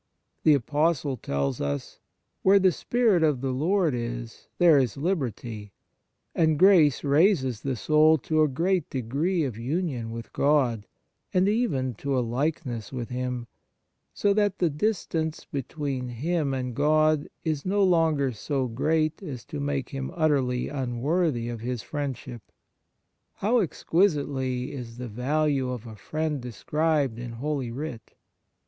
The Apostle tells us, " Where the Spirit of the Lord is, there is liberty," and grace raises the softil to a great degree of union with God, and even to a likeness with Him, so that the distance between him and God is no longer so great as to make him utterly un worthy of His friendship. How exquisite ly is the value of a friend described in Holy Writ